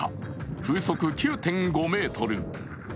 風速９．５メートル。